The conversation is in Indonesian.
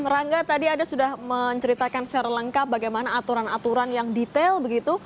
rangga tadi anda sudah menceritakan secara lengkap bagaimana aturan aturan yang detail begitu